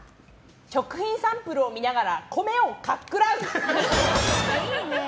食品サンプルを見ながら米をかっくらう。